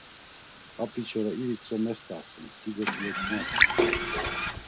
Abiçora iritzo mext̆asen, si goçulet̆inasen.